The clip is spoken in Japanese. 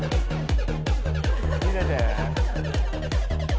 見ててね。